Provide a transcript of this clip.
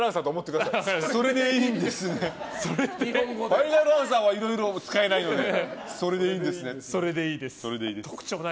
ファイナルアンサーはいろいろ使えないのでそれでいいです。